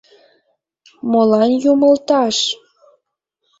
Молан юмылташ?